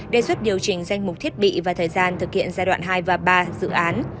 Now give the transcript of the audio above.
đề xuất điều chỉnh danh mục thiết bị và thời gian thực hiện giai đoạn hai và ba dự án